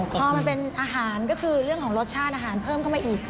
พอมันเป็นอาหารก็คือเรื่องของรสชาติอาหารเพิ่มเข้ามาอีก